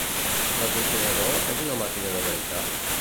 L'aconsellador és una màquina de veritat?